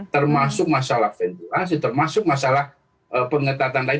termasuk masalah ventilasi termasuk masalah pengetatan lain